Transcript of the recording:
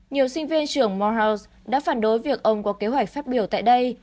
nhiều sinh viên trường morehouse đã phản đối việc ông có kế hoạch phát biểu tại đây